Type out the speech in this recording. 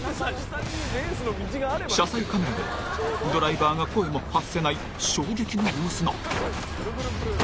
車載カメラでも、ドライバーが声も発せない衝撃の様子が。